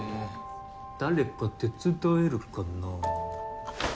誰か手伝えるかなあっ